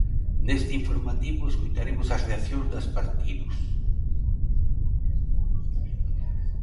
Neste informativo escoitaremos as reaccións das partidos.